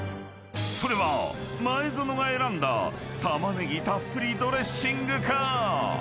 ［それは前園が選んだたまねぎたっぷりドレッシングか？］